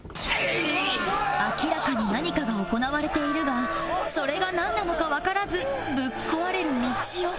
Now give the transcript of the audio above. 明らかに何かが行われているがそれがなんなのかわからずぶっ壊れるみちお